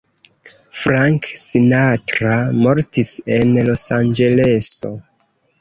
Frank Sinatra mortis en Losanĝeleso.